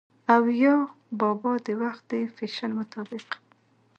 او يا بابا د وخت د فېشن مطابق